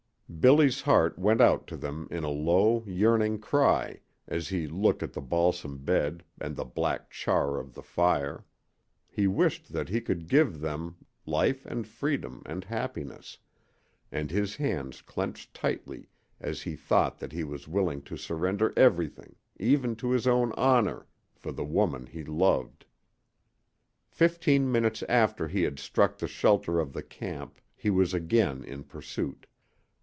Billy's heart went out to them in a low, yearning cry as he looked at the balsam bed and the black char of the fire. He wished that he could give them, life and freedom and happiness, and his hands clenched tightly as he thought that he was willing to surrender everything, even to his own honor, for the woman he loved. Fifteen minutes after he had struck the shelter of the camp he was again in pursuit.